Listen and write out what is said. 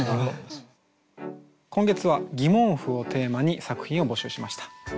今月は「？」をテーマに作品を募集しました。